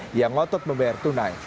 dia ngotot membayar tunai